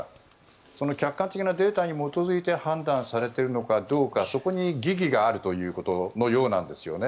その客観的なデータに基づいて判断されているのかどうかそこに疑義があるということのようなんです。